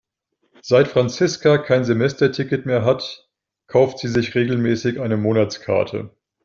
Seit Franziska kein Semesterticket mehr hat, kauft sie sich regelmäßig eine Monatskarte.